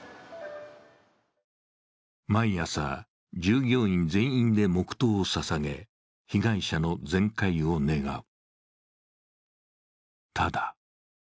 毎朝、従業員全員で黙とうをささげ被害者の全快を願う。